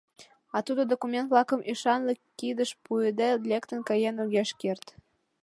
А тудо, документ-влакым ӱшанле кидыш пуыде, лектын каен огеш керт.